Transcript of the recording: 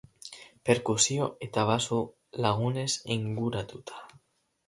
Perkusio eta baxu lagunez inguratuta.